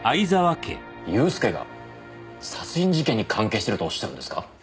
祐介が殺人事件に関係してるとおっしゃるんですか？